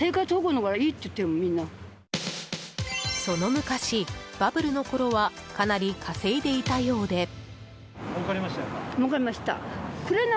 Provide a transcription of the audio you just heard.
その昔、バブルのころはかなり稼いでいたようで。